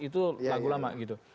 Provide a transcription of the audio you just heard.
itu lagu lama gitu